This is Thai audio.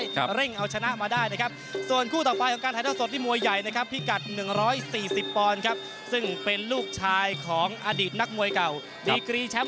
ครับซึ่งเป็นลูกชายของอดีตนักมวยเก่า